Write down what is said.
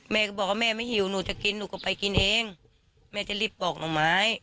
แม่ก็บอกว่าแม่ไม่หิวหนูจะกินหนูก็ไปกินเองแม่จะรีบปอกหน่อไม้